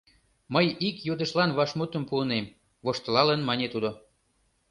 — Мый ик йодышлан вашмутым пуынем, — воштылалын мане тудо.